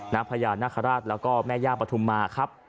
พญานาคาราชแล้วก็แม่ย่าปฐุมมาครับ